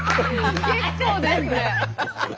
結構ですね。